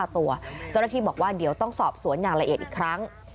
ที่บอกว่าเดี๋ยวต้องสอบสวนอย่างละเอดอีกครั้ง